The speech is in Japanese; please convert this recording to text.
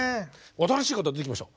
新しい方出てきました。